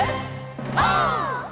オー！